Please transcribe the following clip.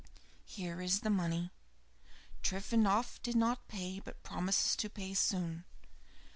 "Here is the money. Trifonof did not pay, but promises to pay soon."